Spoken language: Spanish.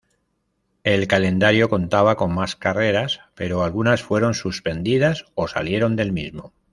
El calendario contaba con más carreras pero algunas fueron suspendidas o salieron del mismo.